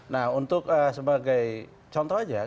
nah untuk sebagai contoh aja